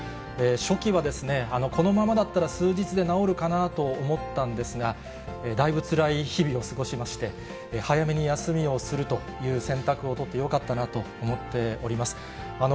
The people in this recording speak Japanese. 初期はこのままだったら、数日で治るかなと思ったんですが、だいぶつらい日々を過ごしまして、早めに休みをするという選択を取ってよかったなと思っております。